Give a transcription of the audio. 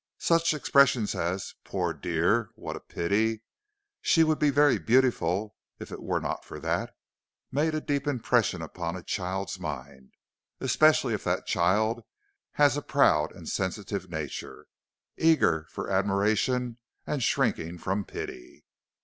Such expressions as 'Poor dear! what a pity!' 'She would be very beautiful if it were not for that,' make a deep impression upon a child's mind, especially if that child has a proud and sensitive nature, eager for admiration and shrinking from pity.